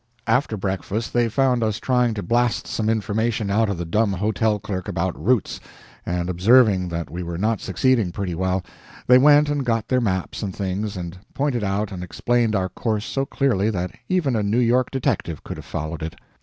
After breakfast they found us trying to blast some information out of the dumb hotel clerk about routes, and observing that we were not succeeding pretty well, they went and got their maps and things, and pointed out and explained our course so clearly that even a New York detective could have followed it.